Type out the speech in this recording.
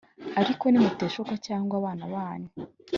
Ariko nimunteshuka cyangwa abana banyu